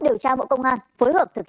điều tra bộ công an phối hợp thực hiện